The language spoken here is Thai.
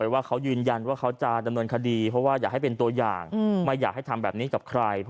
มันจะดังก็แก๊บ